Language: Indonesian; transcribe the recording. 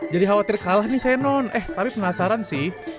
jadi khawatir kalah nih saya non eh tapi penasaran sih